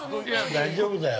◆大丈夫だよ。